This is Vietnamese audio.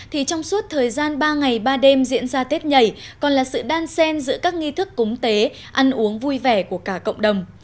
thì trong suốt thời gian ba ngày ba đêm diễn ra tết nhảy còn là sự đan sen giữa các nghi thức cúng tế ăn uống vui vẻ của cả cộng đồng